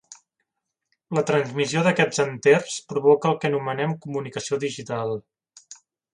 La transmissió d'aquests enters provoca el que anomenem comunicació digital.